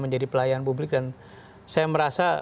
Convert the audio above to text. jadi pelayanan publik dan saya merasa